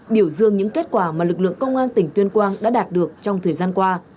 biểu dương những kết quả mà lực lượng công an tỉnh tuyên quang đã đạt được trong thời gian qua